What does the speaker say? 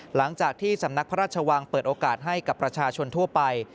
หลังจากที่สำนักพระราชวังเปิดโอกาสให้กับประชาชนทั่วไป